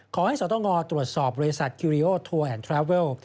สตงตรวจสอบบริษัทกิริโอทัวร์แอนดทราเวล